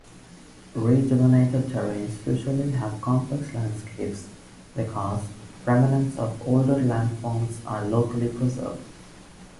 Rejuvenated terrains usually have complex landscapes because remnants of older landforms are locally preserved.